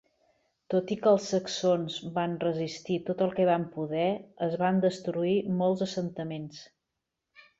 Tot i que els saxons van resistir tot el que van poder, es van destruir molts assentaments.